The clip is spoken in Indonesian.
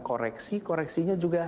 koreksi koreksinya juga